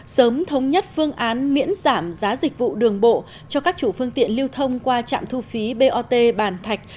sớm thống nhất phương án miễn giảm giá dịch vụ đường bộ cho các chủ phương tiện lưu thông qua trạm thu phí bot bàn thạch